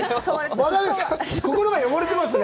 心が汚れてますね。